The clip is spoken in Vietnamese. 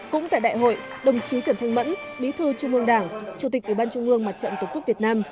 cũng tại đại hội đồng chí trần thanh mẫn bí thư trung ương đảng chủ tịch ủy ban trung ương mặt trận tổ quốc việt nam